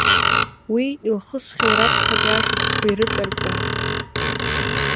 Уи илхысхьоу раԥхьатәи ашықәсқәа ирыҵаркуан.